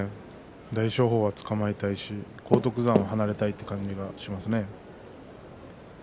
大翔鵬はつかまえたいし荒篤山は離れたいという感じがしますね。